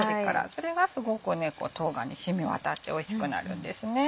それがすごく冬瓜に染み渡っておいしくなるんですね。